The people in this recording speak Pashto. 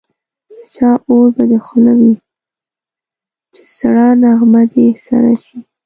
د چا اور به دي په خوله وي چي سړه نغمه دي سره سي